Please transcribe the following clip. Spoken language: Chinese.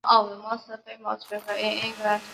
顾颉刚认为的少昊氏加入古史系统自刘歆始。